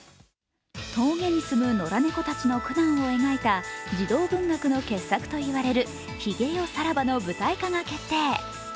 峠に住む野良猫たちの苦難を描いた児童文学の傑作といわれる「ひげよ、さらば」の舞台化が決定。